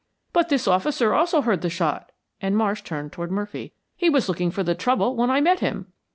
"But this officer also heard the shot," and Marsh turned toward Murphy. "He was looking for the trouble when I met him."